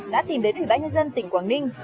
đã tìm đến ủy ban nhân dân tỉnh quảng ninh